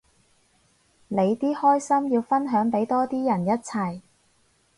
你啲開心要分享俾多啲人一齊